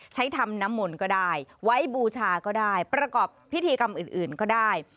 ทำน้ำมนต์ก็ได้ไว้บูชาก็ได้ประกอบพิธีกรรมอื่นก็ได้